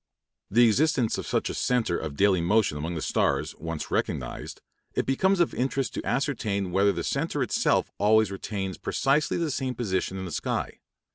The existence of such a centre of daily motions among the stars once recognized, it becomes of interest to ascertain whether the centre itself always retains precisely the same position in the sky.